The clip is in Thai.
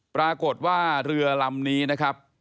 ปรากฏว่าเรือลำนี้นะครับ